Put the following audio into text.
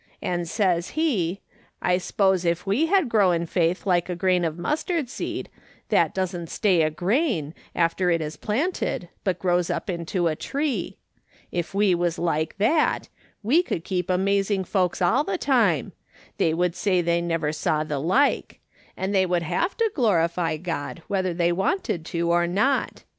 And says he, I ' s'pose if we had growin' faith like a grain of mustard seed, that doesn't stay a grain, after it is planted, but grows up into a tree ; if we was like that, we would keep amazing folks all the time ; they would say they never saw the like ; and they would liave to glorify God whether they wanted to or not.